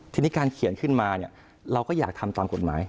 ทีนี้การเขียนขึ้นมาเนี่ยเราก็อยากทำตามกฎหมาย